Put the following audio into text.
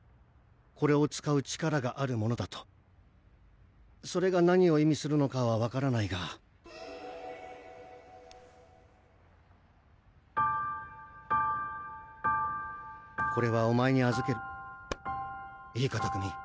これを使う力がある者だとそれが何を意味するのかは分からないがこれはお前にあずけるいいか拓海